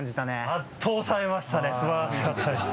圧倒されましたね素晴らしかったです。